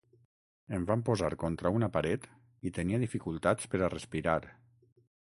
Em van posar contra una paret i tenia dificultats per a respirar.